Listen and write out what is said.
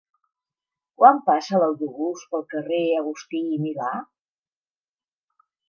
Quan passa l'autobús pel carrer Agustí i Milà?